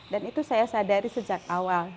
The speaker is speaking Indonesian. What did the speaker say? dan itu saya sadari sejak awal